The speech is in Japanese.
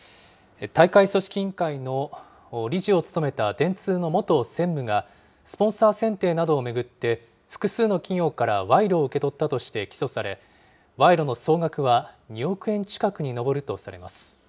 大会組織委員会の理事を務めた電通の元専務が、スポンサー選定などを巡って、複数の企業から賄賂を受け取ったとして起訴され、賄賂の総額は２億円近くに上るとされます。